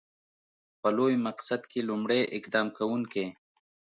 په لوی مقصد کې لومړی اقدام کوونکی.